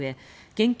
現金